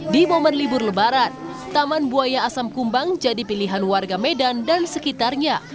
di momen libur lebaran taman buaya asam kumbang jadi pilihan warga medan dan sekitarnya